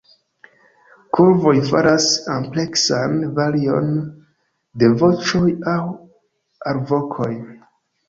Korvoj faras ampleksan varion de voĉoj aŭ alvokoj.